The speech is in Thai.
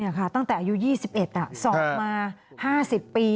ตั้งแต่อายุ๒๑สอบมา๕๐ปี